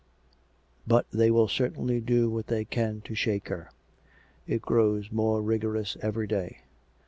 But they will certainly do what they can to shake her. It grows more rigorous every day.